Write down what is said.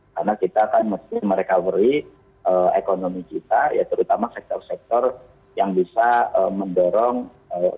karena kita akan mesti merecovery ekonomi kita terutama sektor sektor yang bisa mendorong peningkatan